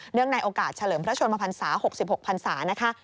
ในโอกาสเฉลิมพระชนมพันศา๖๖พันศานะคะ